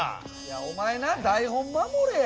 お前な台本守れや。